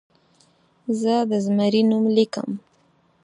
زه د زمري نوم لیکم.